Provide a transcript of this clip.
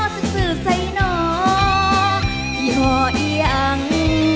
สึกสึกใส่หนอย่ออีอัง